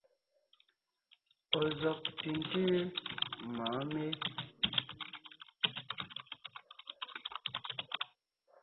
Ɔ̀ zɔ́g ntʉ̀ntʉ́ mɔ̌ɔn mé?